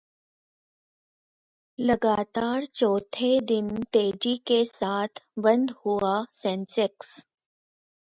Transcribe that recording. लगातार चौथे दिन तेजी के साथ बंद हुआ सेंसेक्स